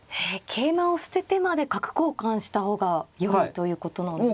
桂馬を捨ててまで角交換した方がよいということなんですね。